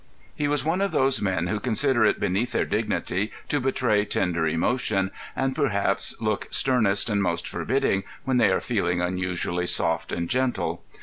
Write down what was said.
He was one of those men who consider it beneath their dignity to betray tender emotion, and who perhaps look sternest and most forbidding when they are feeling unusually soft and gentle.